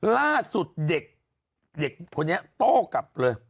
ล่าสุดเด็กบรยานโต้ออกกลับเลย